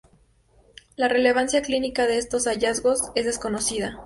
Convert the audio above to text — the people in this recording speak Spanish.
La relevancia clínica de estos hallazgos es desconocida.